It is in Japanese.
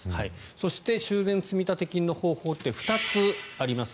そして、修繕積立金の方法って２つあります。